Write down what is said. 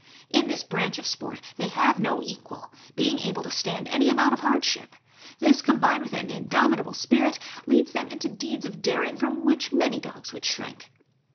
In this branch of sport they have no equal, being able to stand any amount of hardship; this, combined with an indomitable spirit, leads them into deeds of daring from which many dogs would shrink.